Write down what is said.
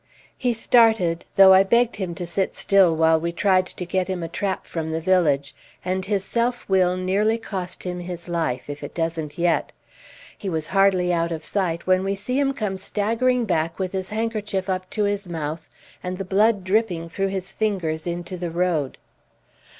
"He started, though I begged him to sit still while we tried to get him a trap from the village; and his self will nearly cost him his life, if it doesn't yet. He was hardly out of sight when we see him come staggering back with his handkerchief up to his mouth, and the blood dripping through his fingers into the road."